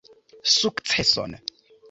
Sukceson!